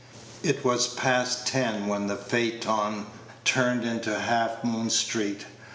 It was past ten when the phaeton turned into Half Moon street.